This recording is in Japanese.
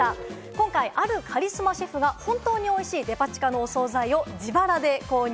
今回、あるカリスマシェフが本当においしいデパ地下のお総菜を自腹で購入。